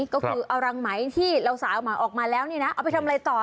คือเอารังไหมที่เราสามารถออกมาแล้วเอาไปทำอะไรต่อ